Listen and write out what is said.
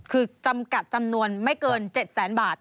คือจำกัดจำนวนไม่เกิน๗แสนบาท